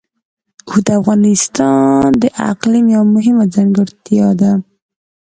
اوښ د افغانستان د اقلیم یوه مهمه ځانګړتیا ده.